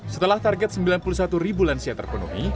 setelah target sembilan puluh satu ribu lansia terpenuhi